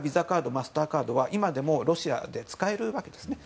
カードマスターカードは今でもロシアで使えるわけです。